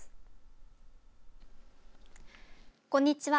こんにちは。